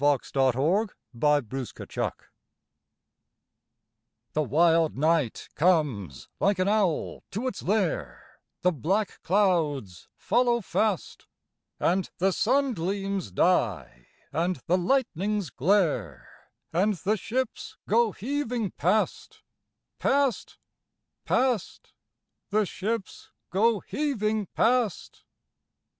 God Help Our Men at Sea The wild night comes like an owl to its lair, The black clouds follow fast, And the sun gleams die, and the lightnings glare, And the ships go heaving past, past, past The ships go heaving past!